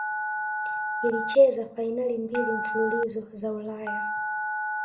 ilicheza fainali mbili mfululizo za ulaya